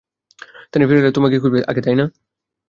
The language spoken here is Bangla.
তানি ফিরে এলে তো তোমাকেই খুঁজবে আগে, তাই না?